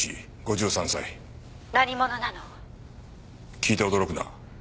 聞いて驚くな。